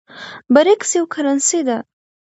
برېکس یوه کرنسۍ ده